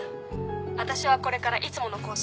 私はこれからいつものコース